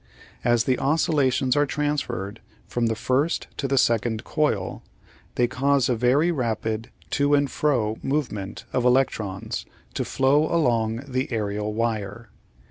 As the oscillations are transferred from the first to the second coil, they cause a very rapid to and fro movement of electrons to flow along the aerial wire.